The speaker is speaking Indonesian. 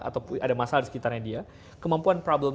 ataupun ada masalah di sekitarnya dia kemampuan problem